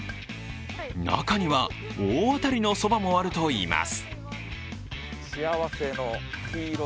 中には、大当たりのそばもあるといいます。